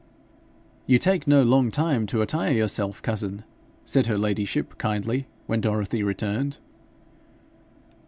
'You take no long time to attire yourself, cousin,' said her ladyship, kindly, when Dorothy returned.